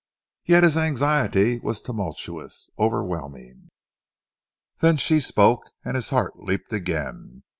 Yet his anxiety was tumultuous, overwhelming. Then she spoke, and his heart leaped again.